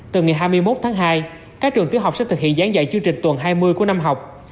từ ngày hai mươi một tháng hai các trường tiểu học sẽ thực hiện gián dạy chương trình tuần hai mươi của năm học